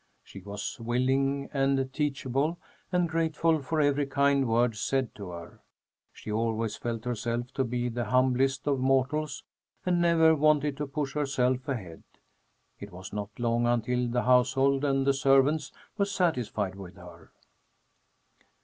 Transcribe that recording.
She was willing and teachable and grateful for every kind word said to her. She always felt herself to be the humblest of mortals and never wanted to push herself ahead. It was not long until the household and the servants were satisfied with her.